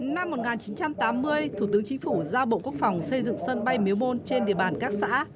năm một nghìn chín trăm tám mươi thủ tướng chính phủ giao bộ quốc phòng xây dựng sân bay miếu môn trên địa bàn các xã